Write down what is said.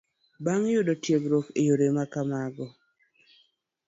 Bang' yudo tiegruok e yore ma kamago